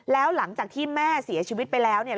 แล้วหลังจากที่แม่เสียชีวิตไปแล้วเนี่ย